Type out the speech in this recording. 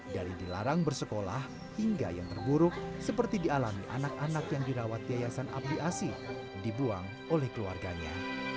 dari dilarang bersekolah hingga yang terburuk seperti dialami anak anak yang dirawat yayasan abdi asi dibuang oleh keluarganya